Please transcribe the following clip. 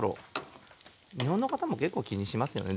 日本の方も結構気にしますよね。